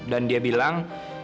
dan dia bilang